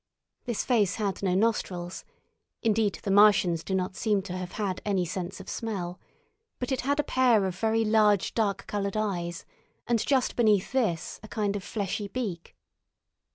This face had no nostrils—indeed, the Martians do not seem to have had any sense of smell, but it had a pair of very large dark coloured eyes, and just beneath this a kind of fleshy beak.